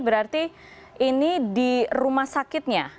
berarti ini di rumah sakitnya